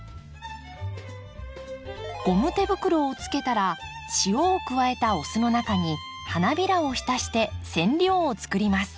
ゴム手袋をつけたら塩を加えたお酢の中に花びらを浸して染料をつくります。